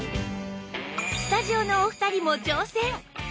スタジオのお二人も挑戦！